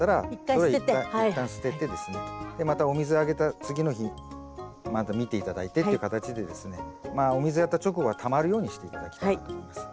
それは一旦捨ててですねまたお水あげた次の日また見て頂いてっていう形でですねお水やった直後はたまるようにして頂きたいと思います。